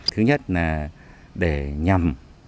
thứ nhất là để nhầm